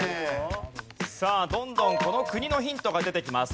さあどんどんこの国のヒントが出てきます。